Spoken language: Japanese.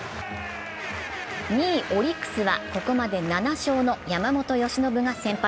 ２位オリックスは、ここまで７勝の山本由伸が先発。